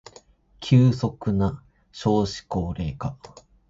急速な少子高齢化